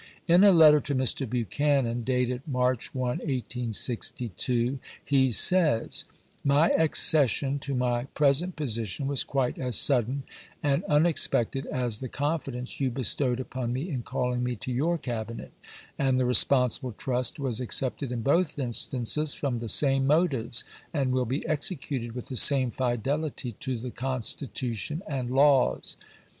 In a letter to Mr. Buchanan, dated March 1, 1862, he says :" My accession to my present position was quite as sudden and unex pected as the confidence you bestowed upon me in calhng me to your Cabinet, and the responsible trust was accepted in both instances from the same motives, and will be executed with the same fidelity to the Constitution and laws."